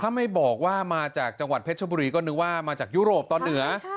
ถ้าไม่บอกว่ามาจากจังหวัดเพชรบุรีก็นึกว่ามาจากยุโรปตอนเหนือ